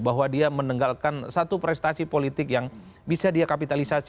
bahwa dia meninggalkan satu prestasi politik yang bisa dia kapitalisasi